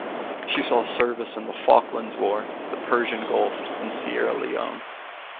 She saw service in the Falklands War, the Persian Gulf and Sierra Leone.